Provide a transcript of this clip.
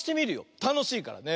たのしいからね。